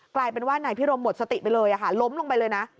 กลายเป็นว่านายพิรมหมดสติไปเลยค่ะล้มลงไปเลยนะ